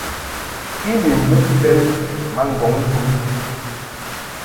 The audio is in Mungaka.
I ni mbuʼ bɛn ma ŋgɔŋ tum.